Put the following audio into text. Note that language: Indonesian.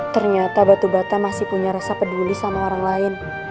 ternyata batu bata masih punya rasa peduli sama orang lain